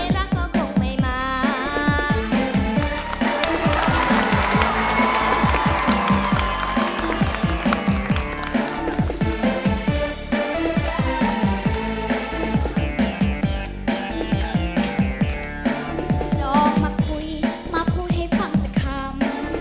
ลองมาคุยมาพูดให้ฟังสักคำ